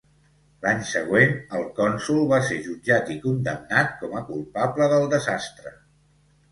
L'any següent el cònsol va ser jutjat i condemnat com a culpable del desastre.